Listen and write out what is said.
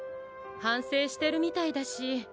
はんせいしてるみたいだし。